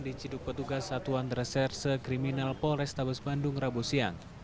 diciduk petugas satuan reserse kriminal polrestabes bandung rabu siang